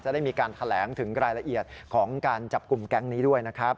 ได้มีการแถลงถึงรายละเอียดของการจับกลุ่มแก๊งนี้ด้วยนะครับ